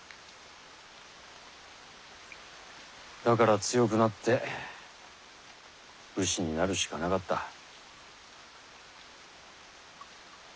だから強くなって武士になるしかなかった。